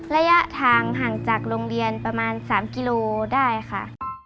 ระยะทางห่างจากโรงเรียนประมาณ๓กิโลได้ค่ะ